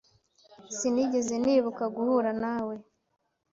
Sinigeze nibuka guhura nawe .